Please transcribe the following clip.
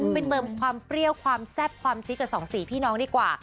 ไปเติมความเปรี้ยวความแซ่บความซีดกับสองสี่พี่น้องดีกว่า